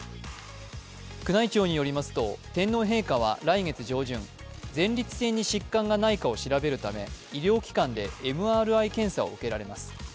宮内庁によりますと、天皇陛下は来月上旬、前立腺に疾患がないかを調べるため医療機関でＭＲＩ検査を受けられます